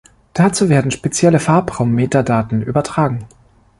Dazu werden spezielle Farbraum-Metadaten übertragen.